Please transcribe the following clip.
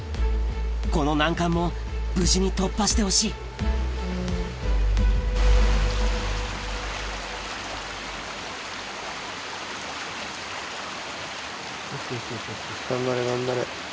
この難関も無事に突破してほしい頑張れ頑張れ。